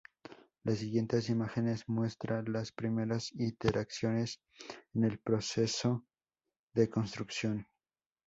La siguiente imagen muestra las primeras iteraciones en el proceso de construcción.